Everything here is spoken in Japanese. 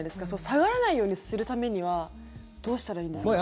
下がらないようにするためにはどうしたらいいんですか？